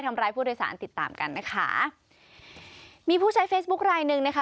ทำร้ายผู้โดยสารติดตามกันนะคะมีผู้ใช้เฟซบุ๊คลายหนึ่งนะคะ